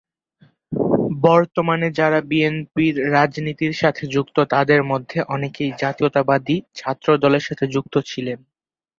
বর্তমানে যারা বিএনপির রাজনীতির সাথে যুক্ত, তাদের মধ্যে অনেকেই জাতীয়তাবাদী ছাত্রদলের সাথে যুক্ত ছিলেন।